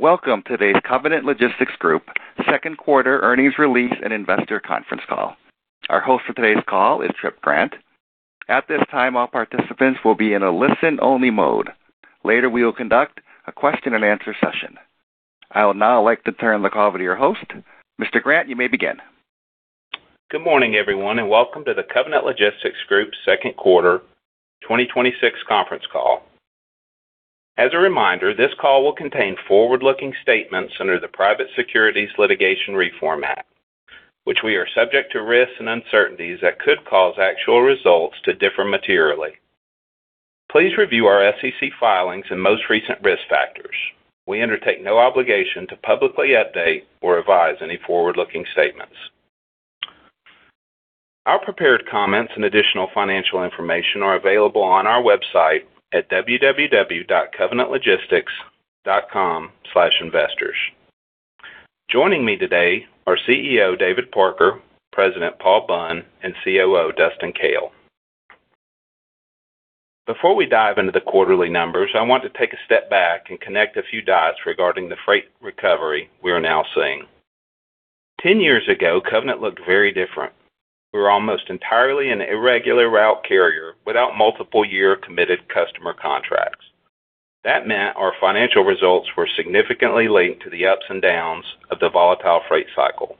Welcome to today's Covenant Logistics Group second quarter earnings release and investor conference call. Our host for today's call is Tripp Grant. At this time, all participants will be in a listen-only mode. Later, we will conduct a question and answer session. I would now like to turn the call over to your host. Mr. Grant, you may begin. Good morning, everyone, and welcome to the Covenant Logistics Group second quarter 2026 conference call. As a reminder, this call will contain forward-looking statements under the Private Securities Litigation Reform Act, which we are subject to risks and uncertainties that could cause actual results to differ materially. Please review our SEC filings and most recent risk factors. We undertake no obligation to publicly update or revise any forward-looking statements. Our prepared comments and additional financial information are available on our website at www.covenantlogistics.com/investors. Joining me today are CEO David Parker, President Paul Bunn, and COO Dustin Koehl. Before we dive into the quarterly numbers, I want to take a step back and connect a few dots regarding the freight recovery we are now seeing. 10 years ago, Covenant looked very different. We were almost entirely an irregular route carrier without multiple year committed customer contracts. That meant our financial results were significantly linked to the ups and downs of the volatile freight cycle,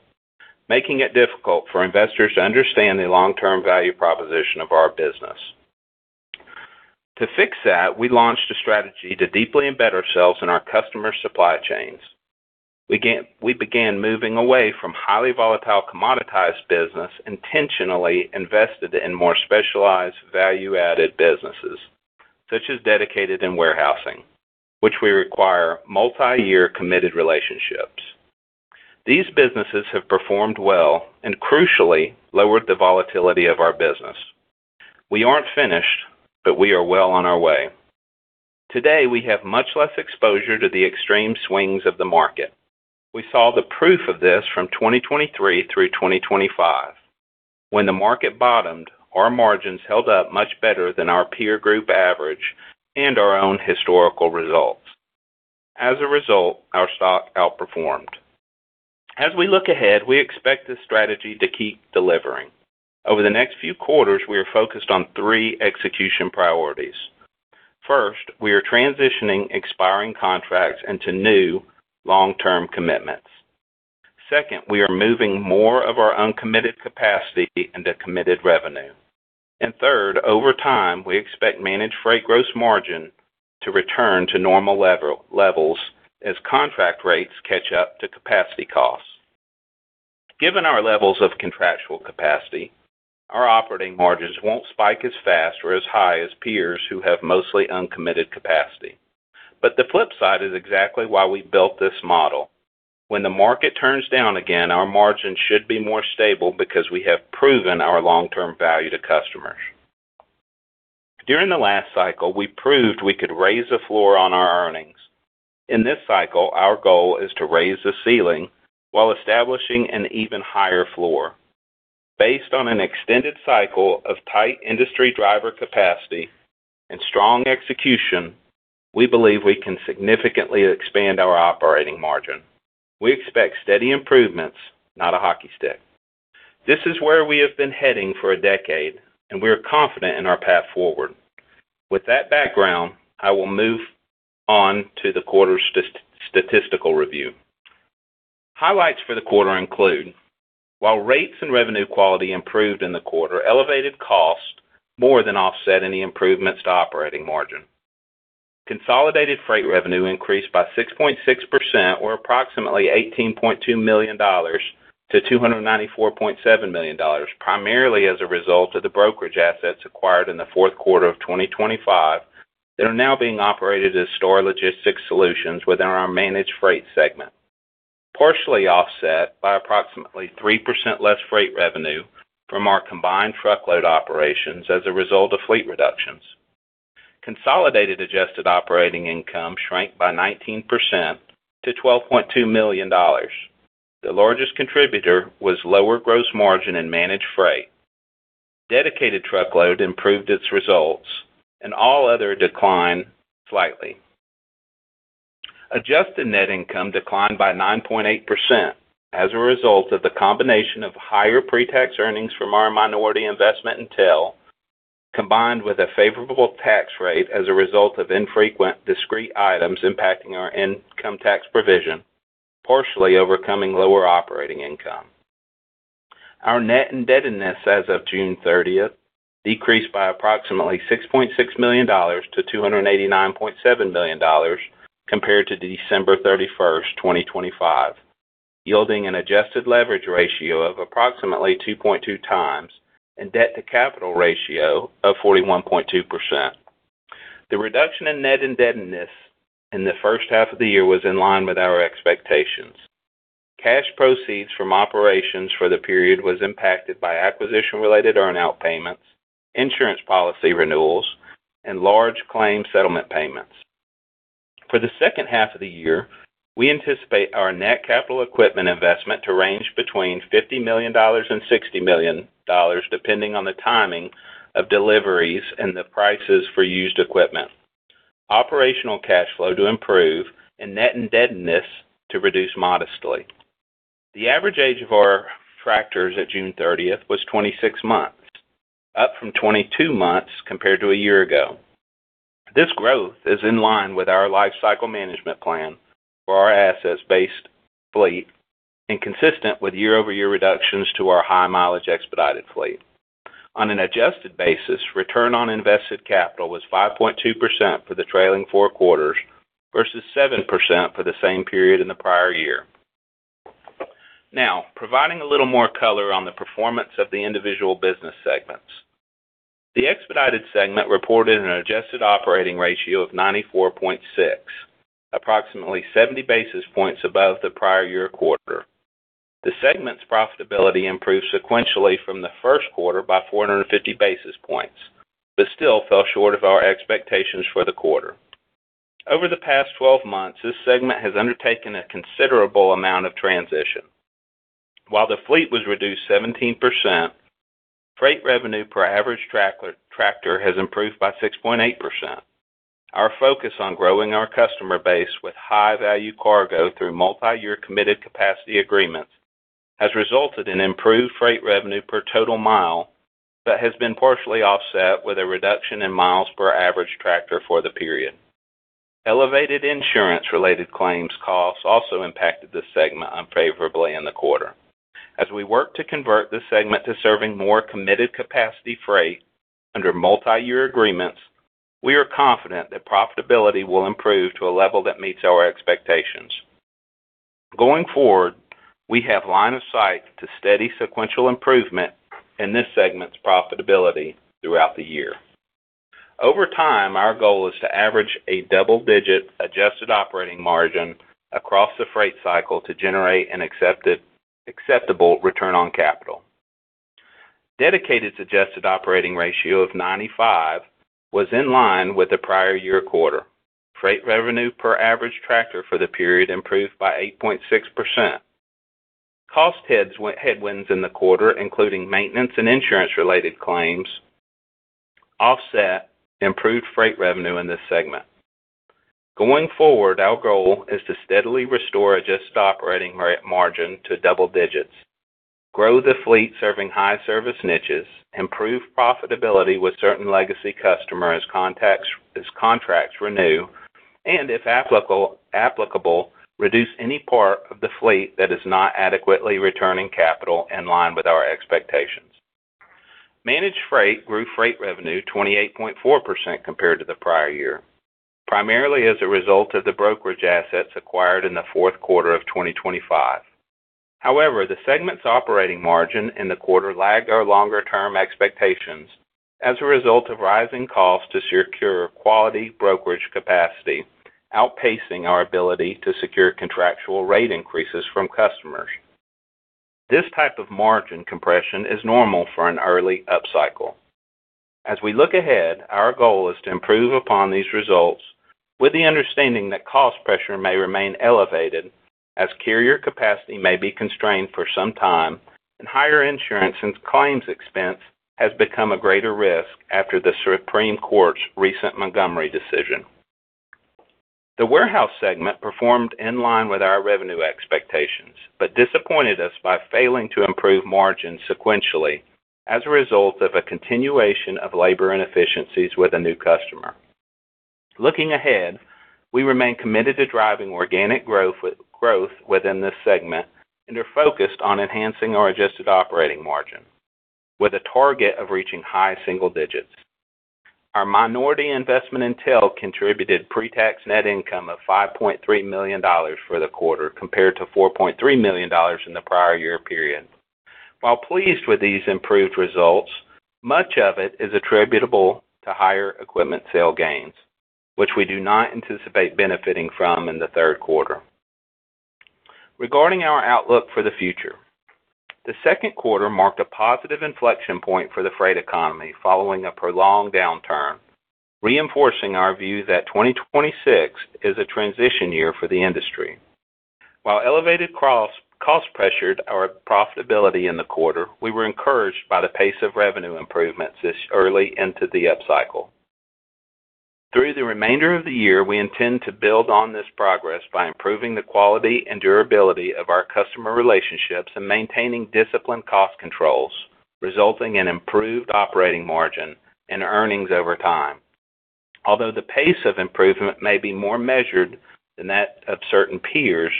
making it difficult for investors to understand the long-term value proposition of our business. To fix that, we launched a strategy to deeply embed ourselves in our customer supply chains. We began moving away from highly volatile commoditized business, intentionally invested in more specialized value-added businesses such as Dedicated and warehousing, which we require multi-year committed relationships. These businesses have performed well and crucially lowered the volatility of our business. We aren't finished, but we are well on our way. Today, we have much less exposure to the extreme swings of the market. We saw the proof of this from 2023 through 2025. When the market bottomed, our margins held up much better than our peer group average and our own historical results. As a result, our stock outperformed. As we look ahead, we expect this strategy to keep delivering. Over the next few quarters, we are focused on three execution priorities. First, we are transitioning expiring contracts into new long-term commitments. Second, we are moving more of our uncommitted capacity into committed revenue. Third, over time, we expect Managed Freight gross margin to return to normal levels as contract rates catch up to capacity costs. Given our levels of contractual capacity, our operating margins won't spike as fast or as high as peers who have mostly uncommitted capacity. The flip side is exactly why we built this model. When the market turns down again, our margins should be more stable because we have proven our long-term value to customers. During the last cycle, we proved we could raise the floor on our earnings. In this cycle, our goal is to raise the ceiling while establishing an even higher floor. Based on an extended cycle of tight industry driver capacity and strong execution, we believe we can significantly expand our operating margin. We expect steady improvements, not a hockey stick. This is where we have been heading for a decade. We are confident in our path forward. With that background, I will move on to the quarter's statistical review. Highlights for the quarter include, while rates and revenue quality improved in the quarter, elevated cost more than offset any improvements to operating margin. Consolidated freight revenue increased by 6.6%, or approximately $18.2 million to $294.7 million, primarily as a result of the brokerage assets acquired in the fourth quarter of 2025 that are now being operated as store logistics solutions within our Managed Freight Segment. Partially offset by approximately 3% less freight revenue from our combined truckload operations as a result of fleet reductions. Consolidated adjusted operating income shrank by 19% to $12.2 million. The largest contributor was lower gross margin and Managed Freight. Dedicated Truckload improved its results. All other declined slightly. Adjusted net income declined by 9.8% as a result of the combination of higher pre-tax earnings from our minority investment in TEL, combined with a favorable tax rate as a result of infrequent discrete items impacting our income tax provision, partially overcoming lower operating income. Our net indebtedness as of June 30th decreased by approximately $6.6 million to $289.7 million compared to December 31st, 2025, yielding an adjusted leverage ratio of approximately 2.2x and debt to capital ratio of 41.2%. The reduction in net indebtedness in the first half of the year was in line with our expectations. Cash proceeds from operations for the period was impacted by acquisition-related earn-out payments, insurance policy renewals, and large claim settlement payments. For the second half of the year, we anticipate our net capital equipment investment to range between $50 million-$60 million, depending on the timing of deliveries and the prices for used equipment, operational cash flow to improve, and net indebtedness to reduce modestly. The average age of our tractors at June 30th was 26 months, up from 22 months compared to a year ago. This growth is in line with our life cycle management plan for our assets-based fleet and consistent with year-over-year reductions to our high-mileage expedited fleet. On an adjusted basis, return on invested capital was 5.2% for the trailing four quarters versus 7% for the same period in the prior year. Providing a little more color on the performance of the individual business segments. The Expedited Segment reported an adjusted operating ratio of 94.6, approximately 70 basis points above the prior year quarter. The segment's profitability improved sequentially from the first quarter by 450 basis points. Still fell short of our expectations for the quarter. Over the past 12 months, this segment has undertaken a considerable amount of transition. While the fleet was reduced 17%, freight revenue per average tractor has improved by 6.8%. Our focus on growing our customer base with high-value cargo through multiyear committed capacity agreements has resulted in improved freight revenue per total mile that has been partially offset with a reduction in miles per average tractor for the period. Elevated insurance related claims costs also impacted the segment unfavorably in the quarter. As we work to convert this segment to serving more committed capacity freight under multi-year agreements, we are confident that profitability will improve to a level that meets our expectations. Going forward, we have line of sight to steady sequential improvement in this segment's profitability throughout the year. Over time, our goal is to average a double-digit adjusted operating margin across the freight cycle to generate an acceptable return on capital. Dedicated adjusted operating ratio of 95 was in line with the prior year quarter. Freight revenue per average tractor for the period improved by 8.6%. Cost headwinds in the quarter, including maintenance and insurance related claims, offset improved freight revenue in this segment. Going forward, our goal is to steadily restore adjusted operating margin to double digits, grow the fleet serving high service niches, improve profitability with certain legacy customers as contracts renew, and, if applicable, reduce any part of the fleet that is not adequately returning capital in line with our expectations. Managed Freight grew freight revenue 28.4% compared to the prior year, primarily as a result of the brokerage assets acquired in the fourth quarter of 2025. The segment's operating margin in the quarter lagged our longer term expectations as a result of rising costs to secure quality brokerage capacity, outpacing our ability to secure contractual rate increases from customers. This type of margin compression is normal for an early upcycle. As we look ahead, our goal is to improve upon these results with the understanding that cost pressure may remain elevated as carrier capacity may be constrained for some time and higher insurance and claims expense has become a greater risk after the Supreme Court's recent Montgomery decision. The warehouse segment performed in line with our revenue expectations, disappointed us by failing to improve margins sequentially as a result of a continuation of labor inefficiencies with a new customer. Looking ahead, we remain committed to driving organic growth within this segment and are focused on enhancing our adjusted operating margin with a target of reaching high single digits. Our minority investment in TEL contributed pre-tax net income of $5.3 million for the quarter, compared to $4.3 million in the prior year period. While pleased with these improved results, much of it is attributable to higher equipment sale gains, which we do not anticipate benefiting from in the third quarter. Regarding our outlook for the future, the second quarter marked a positive inflection point for the freight economy following a prolonged downturn, reinforcing our view that 2026 is a transition year for the industry. While elevated cost pressured our profitability in the quarter, we were encouraged by the pace of revenue improvements this early into the upcycle. Through the remainder of the year, we intend to build on this progress by improving the quality and durability of our customer relationships and maintaining disciplined cost controls, resulting in improved operating margin and earnings over time. Although the pace of improvement may be more measured than that of certain peers,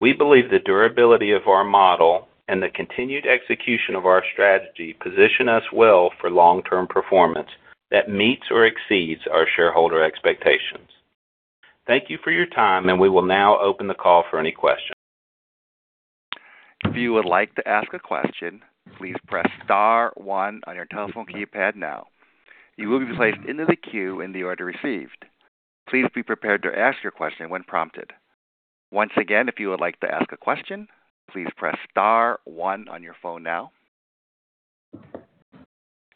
we believe the durability of our model and the continued execution of our strategy position us well for long-term performance that meets or exceeds our shareholder expectations. Thank you for your time. We will now open the call for any questions. If you would like to ask a question, please press star, one on your telephone keypad now. You will be placed into the queue in the order received. Please be prepared to ask your question when prompted. Once again, if you would like to ask a question, please press star, one on your phone now.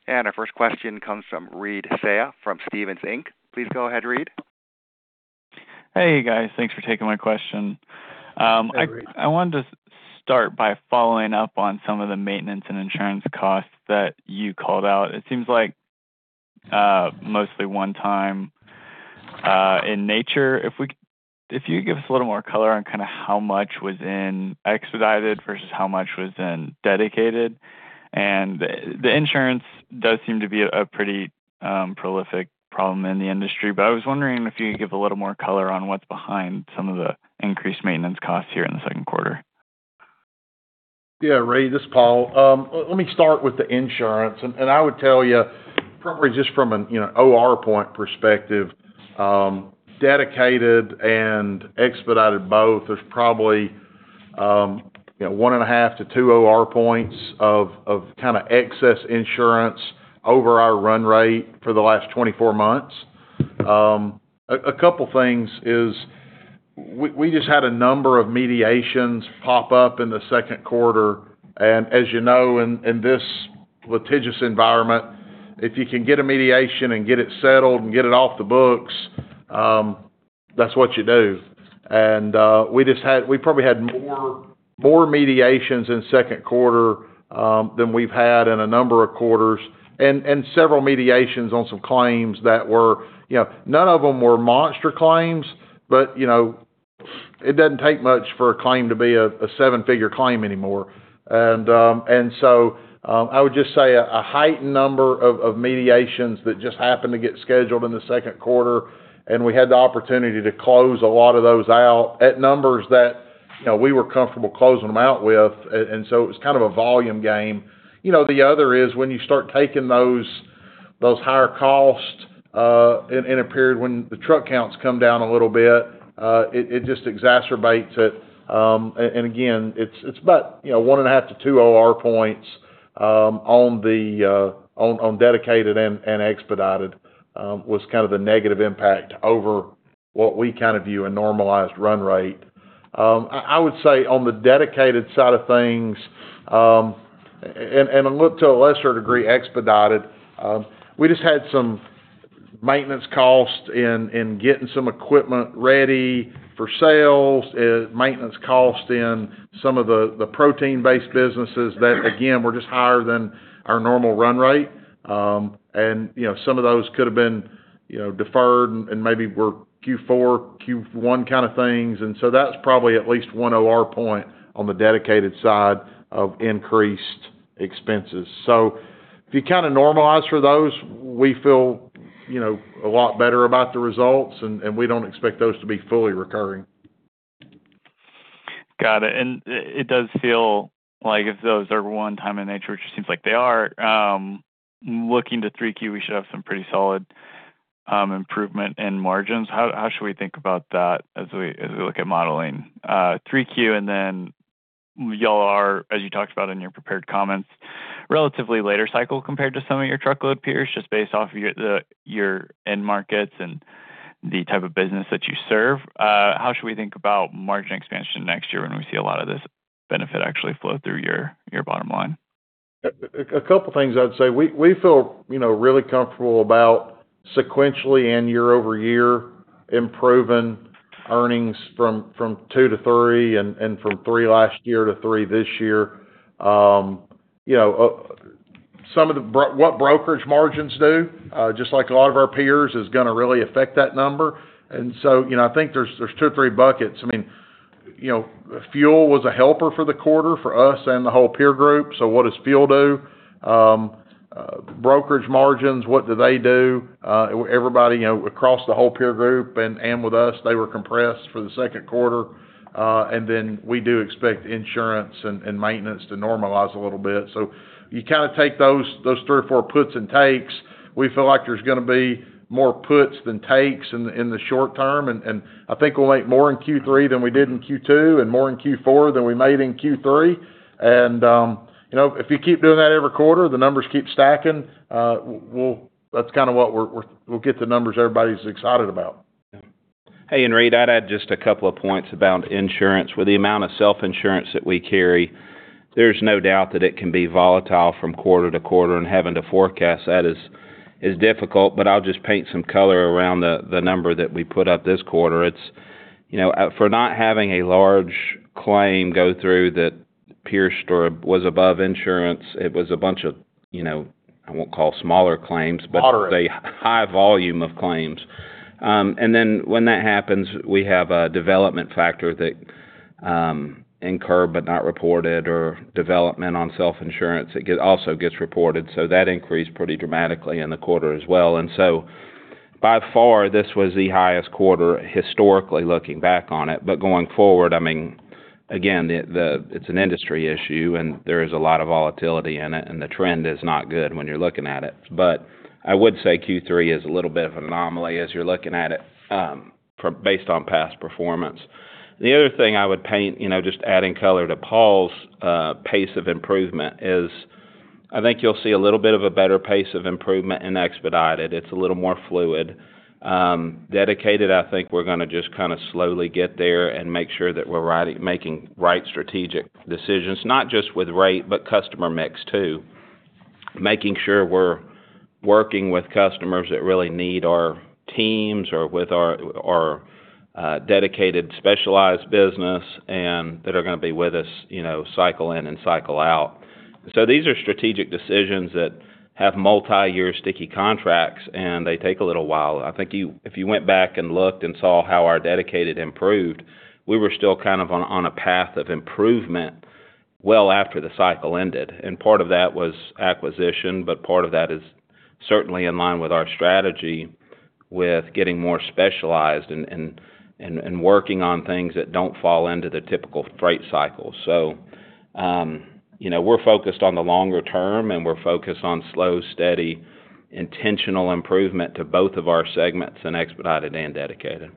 Our first question comes from Reed Seay from Stephens Inc. Please go ahead, Reed. Hey, guys. Thanks for taking my question. Hey, Reed. I wanted to start by following up on some of the maintenance and insurance costs that you called out. It seems like mostly one-time in nature, if you could give us a little more color on how much was in Expedited versus how much was in Dedicated. The insurance does seem to be a pretty prolific problem in the industry, but I was wondering if you could give a little more color on what's behind some of the increased maintenance costs here in the second quarter. Yeah, Reed, this is Paul. I would tell you probably just from an OR point perspective, Dedicated and Expedited both, there's probably 1.5 to 2 OR points of excess insurance over our run rate for the last 24 months. A couple of things is we just had a number of mediations pop up in the second quarter. As you know, in this litigious environment, if you can get a mediation and get it settled and get it off the books, that's what you do. We probably had more mediations in second quarter than we've had in a number of quarters, and several mediations on some claims that none of them were monster claims, but it doesn't take much for a claim to be a seven-figure claim anymore. I would just say a heightened number of mediations that just happened to get scheduled in the second quarter, and we had the opportunity to close a lot of those out at numbers that we were comfortable closing them out with. It was a volume game. The other is when you start taking those higher costs in a period when the truck counts come down a little bit, it just exacerbates it. Again, it's about 1.5 to 2 OR points on Dedicated and Expedited was the negative impact over what we view a normalized run rate. I would say on the Dedicated side of things, and to a lesser degree Expedited, we just had some maintenance costs in getting some equipment ready for sales, maintenance costs in some of the protein-based businesses that again, were just higher than our normal run rate. Some of those could have been deferred and maybe were Q4, Q1 kind of things. That's probably at least one OR point on the Dedicated side of increased expenses. If you normalize for those, we feel a lot better about the results, and we don't expect those to be fully recurring. Got it. It does feel like if those are one-time in nature, which seems like they are, looking to 3Q, we should have some pretty solid improvement in margins. How should we think about that as we look at modeling 3Q? Then you all are, as you talked about in your prepared comments, relatively later cycle compared to some of your truckload peers, just based off your end markets and the type of business that you serve. How should we think about margin expansion next year when we see a lot of this benefit actually flow through your bottom line? A couple of things I'd say. We feel really comfortable about sequentially and year-over-year improving earnings from two to three and from three last year to three this year. What brokerage margins do, just like a lot of our peers, is going to really affect that number. I think there's two or three buckets. Fuel was a helper for the quarter for us and the whole peer group. What does fuel do? Brokerage margins, what do they do? Everybody across the whole peer group and with us, they were compressed for the second quarter. We do expect insurance and maintenance to normalize a little bit. You take those three or four puts and takes. We feel like there's going to be more puts than takes in the short term. I think we'll make more in Q3 than we did in Q2 and more in Q4 than we made in Q3. If you keep doing that every quarter, the numbers keep stacking. That's what we'll get the numbers everybody's excited about. Hey, Reed, I'd add just a couple of points about insurance. With the amount of self-insurance that we carry, there's no doubt that it can be volatile from quarter-to-quarter, and having to forecast that is difficult, but I'll just paint some color around the number that we put up this quarter. For not having a large claim go through that pierced or was above insurance, it was a bunch of smaller claims... Moderate. ...but a high volume of claims. When that happens, we have a development factor that incurred but not reported or development on self-insurance. It also gets reported. That increased pretty dramatically in the quarter as well. By far, this was the highest quarter historically looking back on it. Going forward, again, it's an industry issue, and there is a lot of volatility in it, and the trend is not good when you're looking at it. I would say Q3 is a little bit of an anomaly as you're looking at it based on past performance. The other thing I would paint, just adding color to Paul's pace of improvement is I think you'll see a little bit of a better pace of improvement in Expedited. It's a little more fluid. Dedicated, I think we're going to just slowly get there and make sure that we're making right strategic decisions, not just with rate, but customer mix too. Making sure we're working with customers that really need our teams or with our Dedicated specialized business and that are going to be with us, cycle in and cycle out. These are strategic decisions that have multi-year sticky contracts, and they take a little while. I think if you went back and looked and saw how our Dedicated improved, we were still on a path of improvement well after the cycle ended. Part of that was acquisition, but part of that is certainly in line with our strategy with getting more specialized and working on things that don't fall into the typical freight cycle. We're focused on the longer term, and we're focused on slow, steady, intentional improvement to both of our segments in Expedited and Dedicated.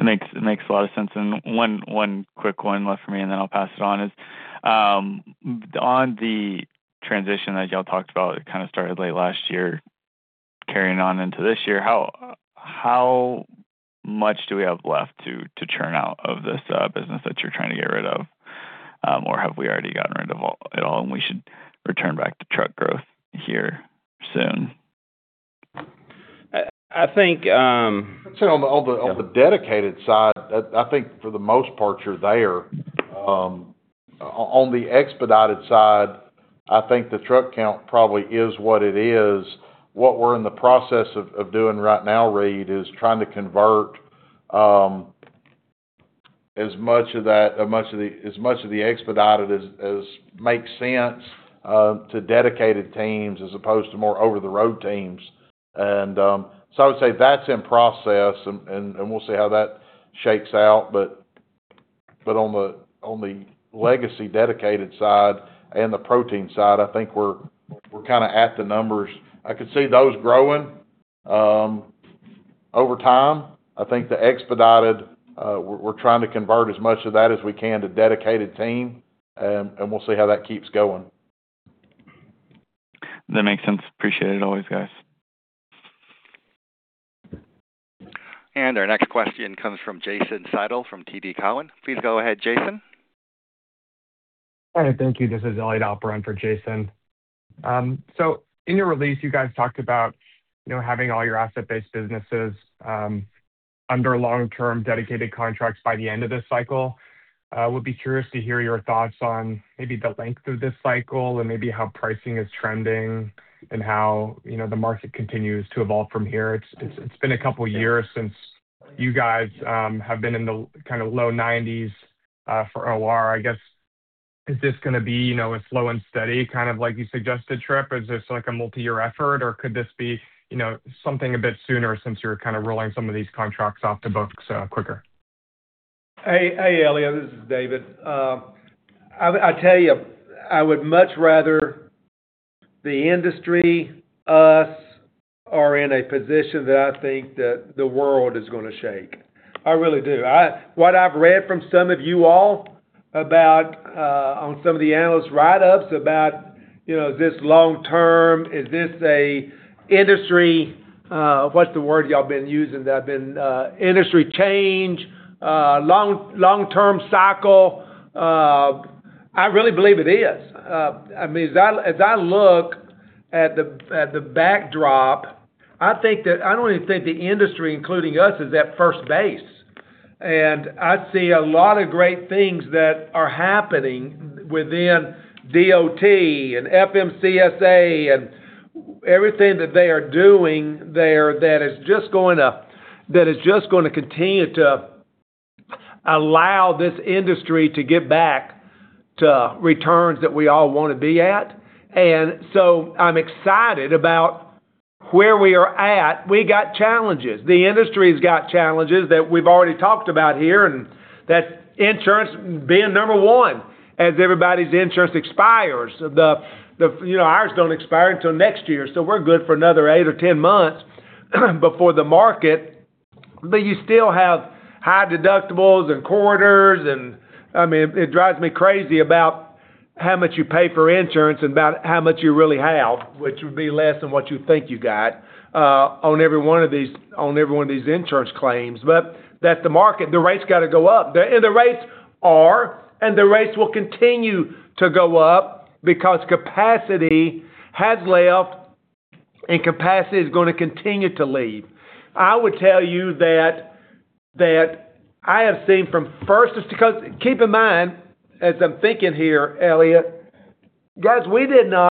It makes a lot of sense. One quick one left for me, and then I'll pass it on is, on the transition that y'all talked about, it started late last year, carrying on into this year, how much do we have left to churn out of this business that you're trying to get rid of? Have we already gotten rid of it all, and we should return back to truck growth here soon? I think- I'd say on the Dedicated side, I think for the most part you're there. On the Expedited side, I think the truck count probably is what it is. What we're in the process of doing right now, Reed, is trying to convert as much of the Expedited as makes sense to Dedicated teams as opposed to more over-the-road teams. So I would say that's in process, and we'll see how that shakes out. On the legacy Dedicated side and the protein side, I think we're at the numbers. I could see those growing, over time. I think the Expedited, we're trying to convert as much of that as we can to dedicated team, and we'll see how that keeps going. That makes sense. Appreciate it always, guys. Our next question comes from Jason Seidl from TD Cowen. Please go ahead, Jason. Hi, thank you. This is Elliot Alper for Jason. In your release, you guys talked about having all your asset-based businesses under long-term Dedicated contracts by the end of this cycle. Would be curious to hear your thoughts on maybe the length of this cycle and maybe how pricing is trending and how the market continues to evolve from here. It's been a couple of years since you guys have been in the low 90s for OR. I guess, is this going to be a slow and steady like you suggested, Tripp? Is this like a multi-year effort, or could this be something a bit sooner since you're rolling some of these contracts off the books quicker? Hey, Elliot. This is David. I tell you, I would much rather the industry, us, are in a position that I think that the world is going to shake. I really do. What I've read from some of you all on some of the analyst write-ups about, is this long term? Is this an industry? What's the word y'all been using? Industry change, long term cycle? I really believe it is. As I look at the backdrop, I don't even think the industry, including us, is at first base. I see a lot of great things that are happening within DOT and FMCSA and everything that they are doing there that is just going to continue to allow this industry to get back to returns that we all want to be at. I'm excited about where we are at. We got challenges. The industry's got challenges that we've already talked about here, that's insurance being number one as everybody's insurance expires. Ours don't expire until next year, so we're good for another 8-10 months before the market. You still have high deductibles and corridors, it drives me crazy about how much you pay for insurance and about how much you really have, which would be less than what you think you got, on every one of these insurance claims. That's the market. The rates got to go up. The rates are, and the rates will continue to go up because capacity has left, and capacity is going to continue to leave. I would tell you that I have seen from. Keep in mind, as I'm thinking here, Elliot, guys, we did not.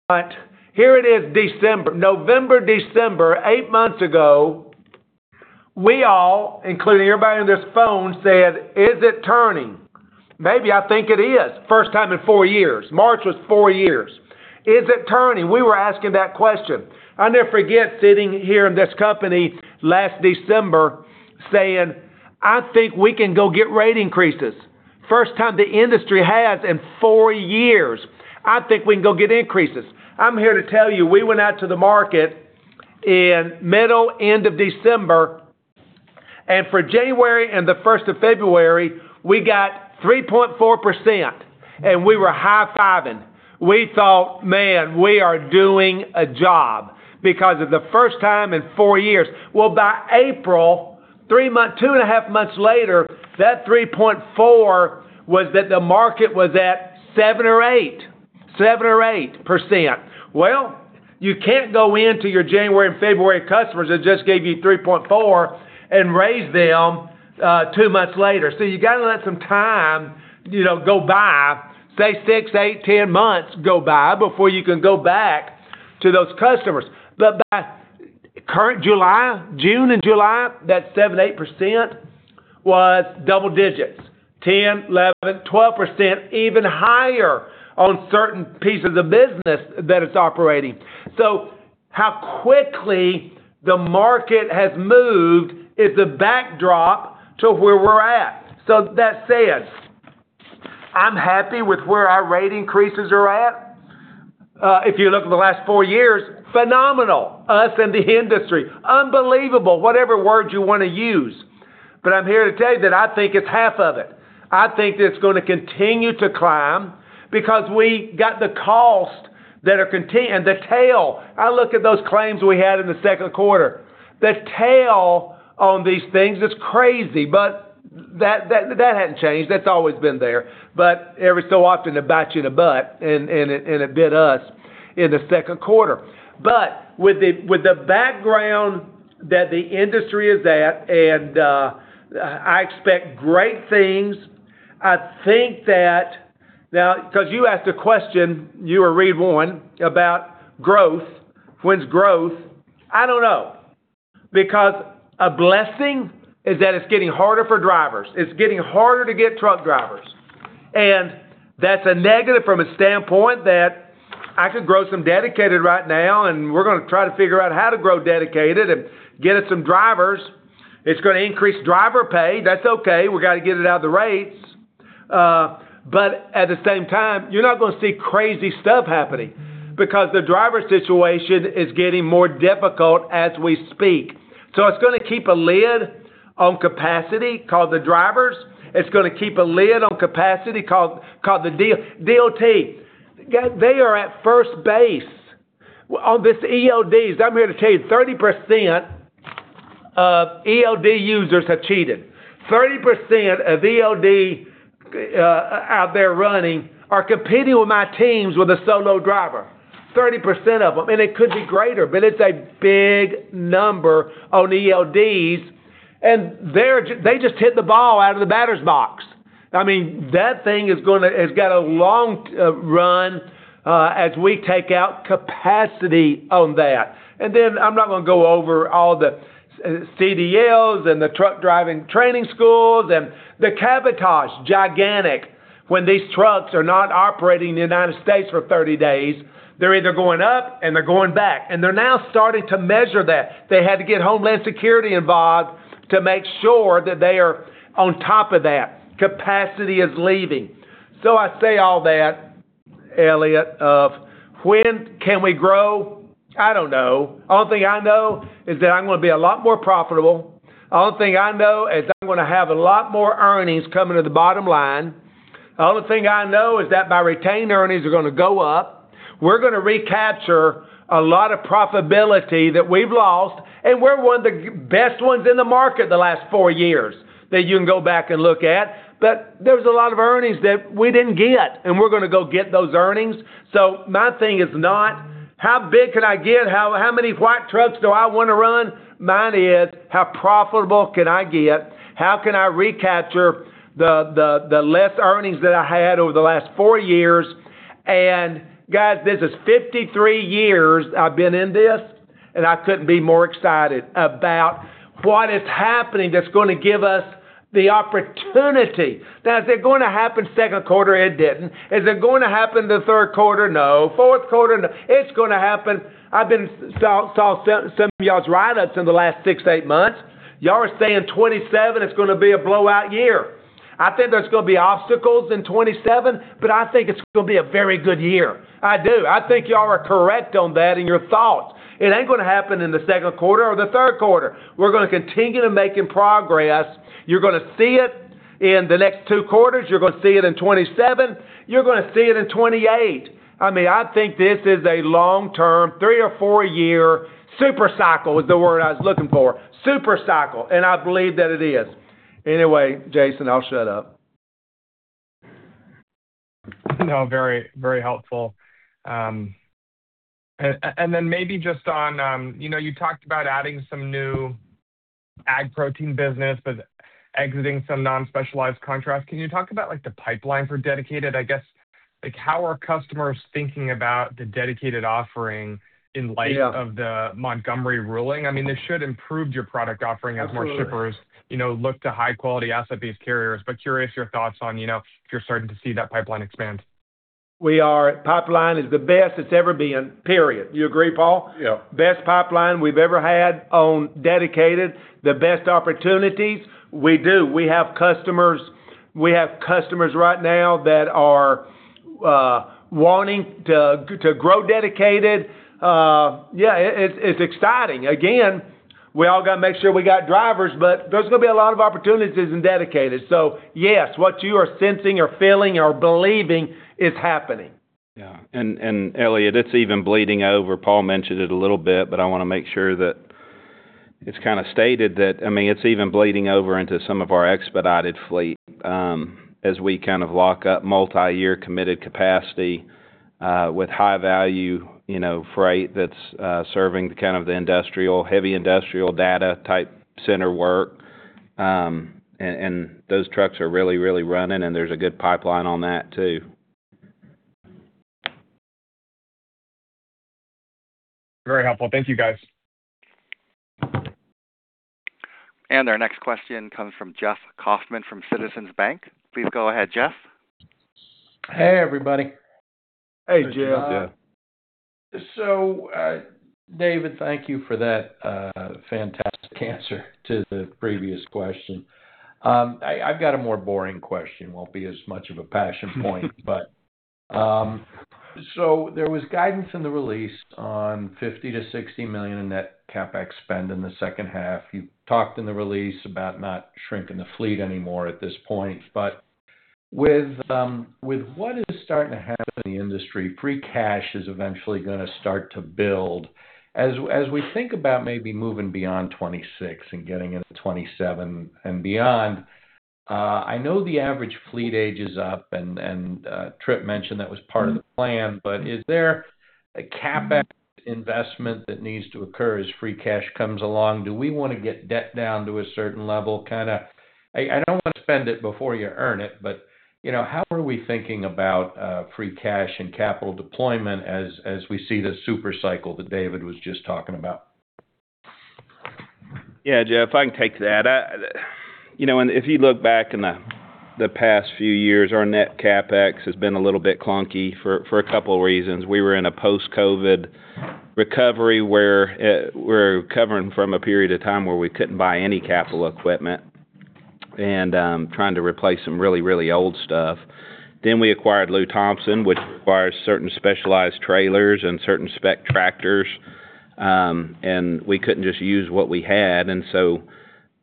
Here it is December. November, December, eight months ago, we all, including everybody on this phone, said, "Is it turning? Maybe I think it is." First time in four years. March was four years. Is it turning? We were asking that question. I'll never forget sitting here in this company last December saying, "I think we can go get rate increases." First time the industry has in four years. "I think we can go get increases." I'm here to tell you, we went out to the market in middle, end of December, for January and the 1st February, we got 3.4%. We were high-fiving. We thought, man, we are doing a job. It's the first time in four years. By April, 2.5 months later, that 3.4% was that the market was at 7% or 8%. You can't go into your January and February customers that just gave you 3.4% and raise them two months later. You got to let some time go by, say six, eight, 10 months go by before you can go back to those customers. By current June and July, that 7%, 8% was double digits, 10%, 11%, 12%, even higher on certain pieces of business that it's operating. How quickly the market has moved is a backdrop to where we're at. With that said, I'm happy with where our rate increases are at. If you look at the last four years, phenomenal, us and the industry. Unbelievable, whatever word you want to use. I'm here to tell you that I think it's half of it. I think that it's going to continue to climb because we got the cost and the tail. I look at those claims we had in the second quarter. The tail on these things is crazy. That hadn't changed. That's always been there. Every so often, it bites you in the butt, and it bit us in the second quarter. With the background that the industry is at, and I expect great things. I think that, now, because you asked a question, you or Reed, one about growth. When's growth? I don't know. A blessing is that it's getting harder for drivers. It's getting harder to get truck drivers. That's a negative from a standpoint that I could grow some dedicated right now, and we're going to try to figure out how to grow Dedicated and get us some drivers. It's going to increase driver pay. That's okay. We got to get it out of the rates. At the same time, you're not going to see crazy stuff happening because the driver situation is getting more difficult as we speak. It's going to keep a lid on capacity called the drivers. It's going to keep a lid on capacity called the DOT. Guys, they are at first base on this ELDs. I'm here to tell you, 30% of ELD users have cheated. 30% of ELDs out there running are competing with my teams with a solo driver, 30% of them. It could be greater, but it's a big number on ELDs. They just hit the ball out of the batter's box. That thing has got a long run as we take out capacity on that. I'm not going to go over all the CDLs and the truck driving training schools and the cabotage, gigantic. When these trucks are not operating in the U.S. for 30 days, they're either going up and they're going back. They're now starting to measure that. They had to get Homeland Security involved to make sure that they are on top of that. Capacity is leaving. I say all that, Elliot, of when can we grow? I don't know. Only thing I know is that I'm going to be a lot more profitable. Only thing I know is I'm going to have a lot more earnings coming to the bottom line. Only thing I know is that my retained earnings are going to go up. We're going to recapture a lot of profitability that we've lost, and we're one of the best ones in the market the last four years that you can go back and look at. There's a lot of earnings that we didn't get, and we're going to go get those earnings. My thing is not how big can I get? How many white trucks do I want to run? Mine is, how profitable can I get? How can I recapture the less earnings that I had over the last four years? Guys, this is 53 years I've been in this, and I couldn't be more excited about what is happening that's going to give us the opportunity. Now, is it going to happen second quarter? It didn't. Is it going to happen the third quarter? No. Fourth quarter? No. It's going to happen. I've saw some of y'all's write-ups in the last six, eight months. Y'all are saying 2027 is going to be a blowout year. I think there's going to be obstacles in 2027, but I think it's going to be a very good year. I do. I think y'all are correct on that in your thoughts. It ain't going to happen in the second quarter or the third quarter. We're going to continue to making progress. You're going to see it in the next two quarters. You're going to see it in 2027. You're going to see it in 2028. I think this is a long-term, three or four-year super cycle is the word I was looking for. super cycle, and I believe that it is. Anyway, Jason, I'll shut up. No, very helpful. Then maybe just on, you talked about adding some new ag protein business, but exiting some non-specialized contracts. Can you talk about the pipeline for Dedicated? I guess, how are customers thinking about the Dedicated offering in light of the Montgomery ruling? This should improve your product offering as more shippers look to high-quality asset-based carriers, but curious your thoughts on if you're starting to see that pipeline expand. Pipeline is the best it's ever been, period. You agree, Paul? Yeah. Best pipeline we've ever had on Dedicated. The best opportunities. We do. We have customers right now that are wanting to grow Dedicated. Yeah, it's exciting. We all got to make sure we got drivers, but there's going to be a lot of opportunities in Dedicated. Yes, what you are sensing or feeling or believing is happening. Yeah. Elliot, it's even bleeding over. Paul mentioned it a little bit, but I want to make sure that it's stated that it's even bleeding over into some of our expedited fleet as we lock up multi-year committed capacity with high value freight that's serving the heavy industrial data type center work. Those trucks are really running, and there's a good pipeline on that too. Very helpful. Thank you, guys. Our next question comes from Jeff Kauffman from Citizens Bank. Please go ahead, Jeff. Hey, everybody. Hey, Jeff. Hey, Jeff. David, thank you for that fantastic answer to the previous question. I've got a more boring question, won't be as much of a passion point. There was guidance in the release on $50 million-$60 million in net CapEx spend in the second half. You talked in the release about not shrinking the fleet anymore at this point. With what is starting to happen in the industry, free cash is eventually going to start to build. As we think about maybe moving beyond 2026 and getting into 2027 and beyond, I know the average fleet age is up and Tripp mentioned that was part of the plan, but is there a CapEx investment that needs to occur as free cash comes along? Do we want to get debt down to a certain level? I don't want to spend it before you earn it, how are we thinking about free cash and capital deployment as we see this super cycle that David was just talking about? Yeah, Jeff, I can take that. If you look back in the past few years, our net CapEx has been a little bit clunky for a couple of reasons. We were in a post-COVID recovery where we're recovering from a period of time where we couldn't buy any capital equipment and trying to replace some really, really old stuff. We acquired Lew Thompson, which requires certain specialized trailers and certain spec tractors, and we couldn't just use what we had.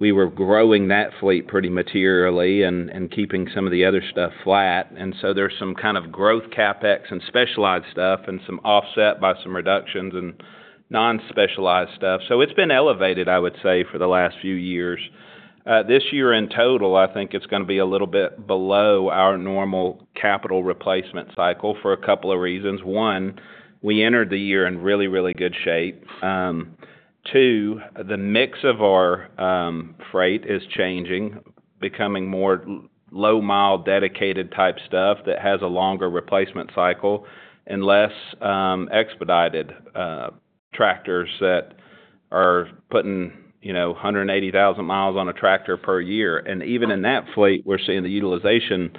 We were growing that fleet pretty materially and keeping some of the other stuff flat. There's some kind of growth CapEx and specialized stuff and some offset by some reductions and non-specialized stuff. It's been elevated, I would say, for the last few years. This year in total, I think it's going to be a little bit below our normal capital replacement cycle for a couple of reasons. One, we entered the year in really, really good shape. Two, the mix of our freight is changing, becoming more low mile dedicated type stuff that has a longer replacement cycle and less expedited tractors that are putting 180,000 miles on a tractor per year. Even in that fleet, we're seeing the utilization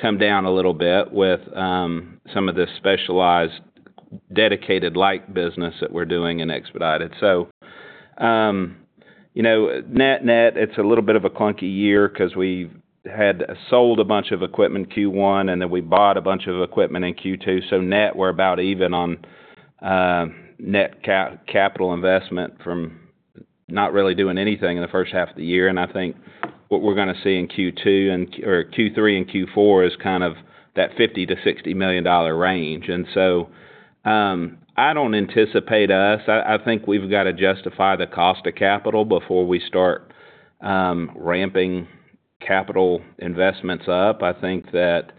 come down a little bit with some of this specialized dedicated light business that we're doing in Expedited. Net, net, it's a little bit of a clunky year because we had sold a bunch of equipment Q1, we bought a bunch of equipment in Q2. Net, we're about even on net capital investment from not really doing anything in the first half of the year. I think what we're going to see in Q2 or Q3 and Q4 is that $50 million-$60 million range. I don't anticipate us. I think we've got to justify the cost of capital before we start ramping capital investments up. I think that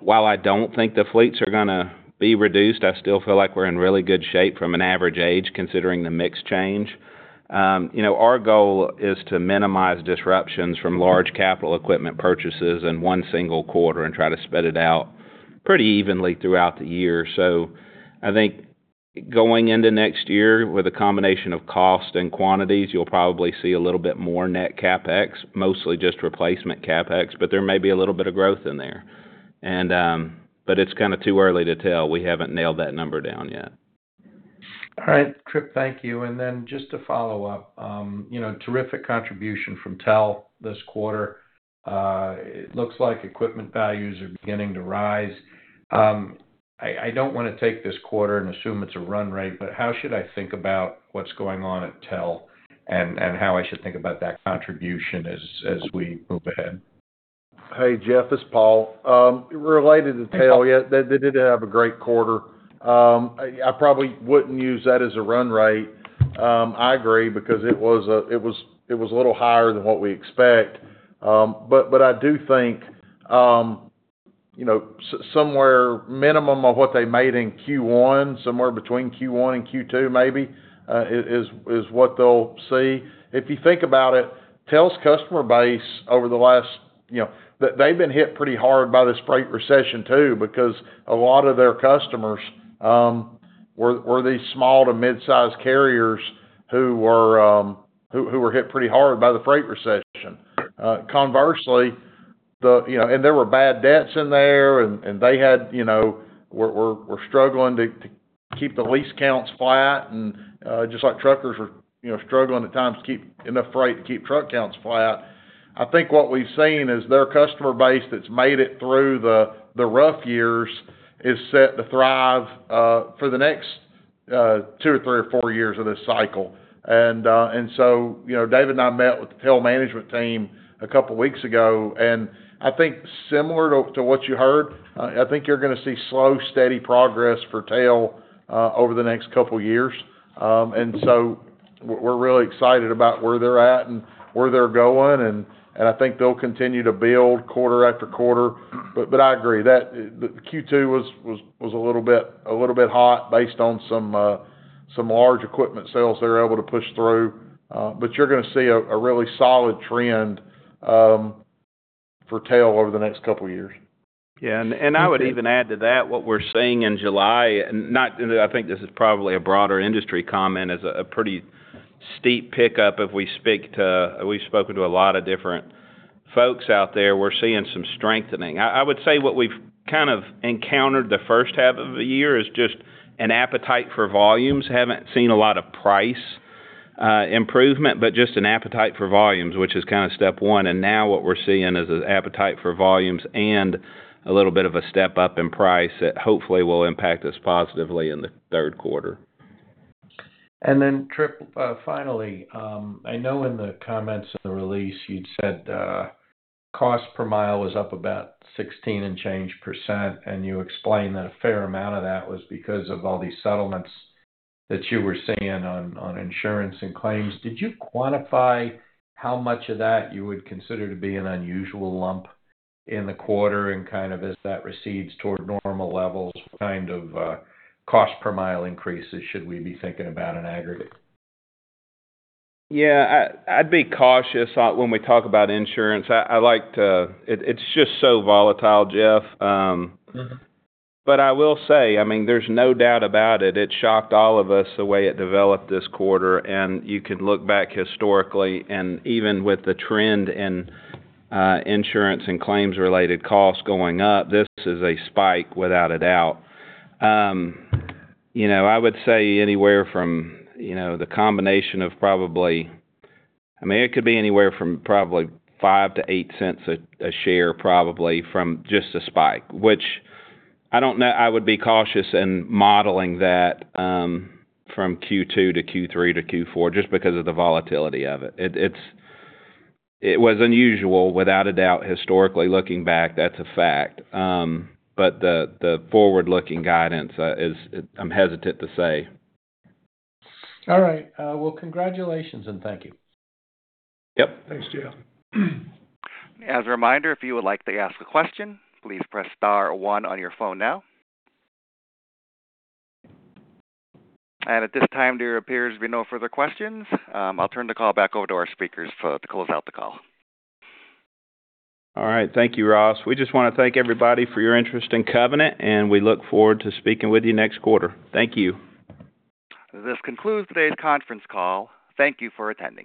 while I don't think the fleets are going to be reduced, I still feel like we're in really good shape from an average age considering the mix change. Our goal is to minimize disruptions from large capital equipment purchases in one single quarter and try to spread it out pretty evenly throughout the year. I think going into next year with a combination of cost and quantities, you'll probably see a little bit more net CapEx, mostly just replacement CapEx, but there may be a little bit of growth in there. It's too early to tell. We haven't nailed that number down yet. All right. Tripp, thank you. Just to follow up, terrific contribution from TEL this quarter. It looks like equipment values are beginning to rise. I don't want to take this quarter and assume it's a run rate, how should I think about what's going on at TEL and how I should think about that contribution as we move ahead? Hey, Jeff, it's Paul. Related to TEL, yeah, they did have a great quarter. I probably wouldn't use that as a run rate. I agree, because it was a little higher than what we expect. I do think somewhere minimum of what they made in Q1, somewhere between Q1 and Q2 maybe is what they'll see. If you think about it, TEL's customer base over the last-- They've been hit pretty hard by this freight recession too, because a lot of their customers were these small to mid-size carriers who were hit pretty hard by the freight recession. Conversely, there were bad debts in there, and they were struggling to keep the lease counts flat. Just like truckers were struggling at times to keep enough freight to keep truck counts flat. I think what we've seen is their customer base that's made it through the rough years is set to thrive for the next two or three or four years of this cycle. David and I met with the TEL management team a couple of weeks ago, I think similar to what you heard, I think you're going to see slow, steady progress for TEL over the next couple of years. We're really excited about where they're at and where they're going, I think they'll continue to build quarter after quarter. I agree, the Q2 was a little bit hot based on some large equipment sales they were able to push through. You're going to see a really solid trend for TEL over the next couple of years. Yeah. I would even add to that what we're seeing in July, I think this is probably a broader industry comment, is a pretty steep pickup if we speak to We've spoken to a lot of different folks out there. We're seeing some strengthening. I would say what we've kind of encountered the first half of the year is just an appetite for volumes. Haven't seen a lot of price improvement, but just an appetite for volumes, which is step one. Now what we're seeing is an appetite for volumes and a little bit of a step up in price that hopefully will impact us positively in the third quarter. Tripp, finally, I know in the comments in the release, you'd said cost per mile was up about 16% and change, You explained that a fair amount of that was because of all these settlements that you were seeing on insurance and claims. Did you quantify how much of that you would consider to be an unusual lump in the quarter and as that recedes toward normal levels, what kind of cost per mile increases should we be thinking about in aggregate? Yeah. I'd be cautious when we talk about insurance. It's just so volatile, Jeff. I will say, there's no doubt about it shocked all of us the way it developed this quarter, and you could look back historically and even with the trend in insurance and claims related costs going up, this is a spike without a doubt. I would say anywhere from the combination of probably, it could be anywhere from probably $0.05-$0.08 a share probably from just the spike, which I would be cautious in modeling that from Q2 to Q3 to Q4 just because of the volatility of it. It was unusual without a doubt historically looking back, that's a fact. The forward-looking guidance, I'm hesitant to say. All right. Well, congratulations and thank you. Yep. Thanks, Jeff. As a reminder, if you would like to ask a question, please press star, one on your phone now. At this time, there appears to be no further questions. I'll turn the call back over to our speakers to close out the call. All right. Thank you, Ross. We just want to thank everybody for your interest in Covenant, and we look forward to speaking with you next quarter. Thank you. This concludes today's conference call. Thank you for attending.